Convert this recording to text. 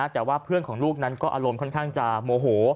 แต่ว่าเพื่อนของลูกนั้นก็อารมณ์ค่อนข้างจะโมโห